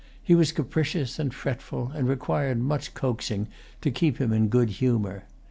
He was capricious and fretful, and required much coaxing to keep him in good humor.